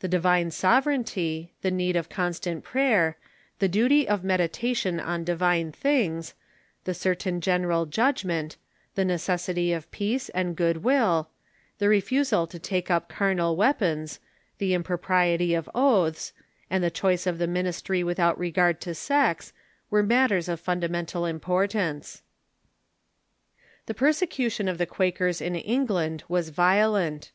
The divine sovereignty, the need of constant prayer, the duty of meditation on divine things, the certain general judgment, the necessity Dodrines ^'^ P^ace and good will, the refusal to take up carnal weapons, the impropriety of oaths, and the choice of the ministry without regard to sex, were matters of funda mental importance. The persecution of the Quakers in England was violent.